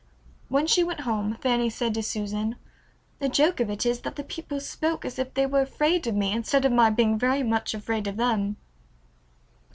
When she went home Fanny said to Susan, "The joke of it is that the people spoke as if they were afraid of me, instead of my being very much afraid of them."